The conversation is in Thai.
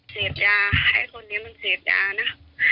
เสพยาไอ้คนนี้มันเสพยานะ